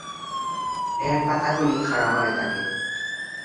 এর পাতাগুলি খাড়া হয়ে থাকে।